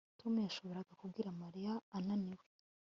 Tom yashoboraga kubwira Mariya ananiwe